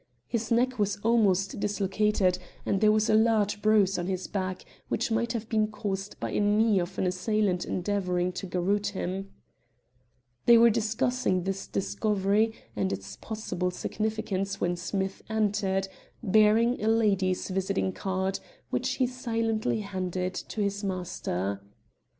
His neck was almost dislocated, and there was a large bruise on his back which might have been caused by the knee of an assailant endeavouring to garrotte him. They were discussing this discovery and its possible significance when Smith entered, bearing a lady's visiting card, which he silently handed to his master.